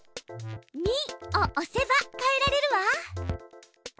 「ミ」を押せば変えられるわ。